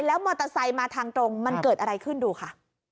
แล้วมอเตอร์ไซค์มาทางตรงมันเกิดอะไรขึ้นดูค่ะ